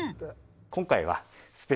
今回は。